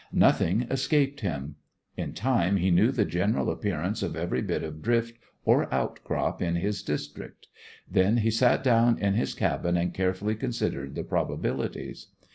Nothing escaped him. In time he knew the general appearance of every bit of drift or outcrop in his district. Then he sat down in his cabin and carefully considered the probabilities.